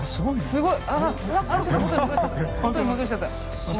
すごい。